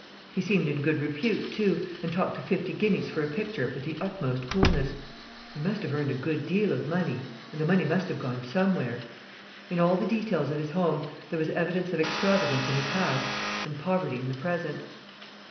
He seemed in good repute too, and talked of fifty guineas for a picture with the utmost coolness. He must have earned a good deal of money, and the money must have gone somewhere. In all the details of his home there was evidence of extravagance in the past and poverty in the present.